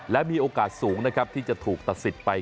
และมีโอกาสสูงที่จะถูกตัดสินไป